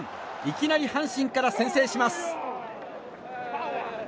いきなり阪神から先制します。